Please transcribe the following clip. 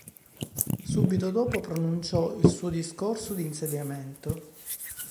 Subito dopo pronunciò il suo discorso d’insediamento.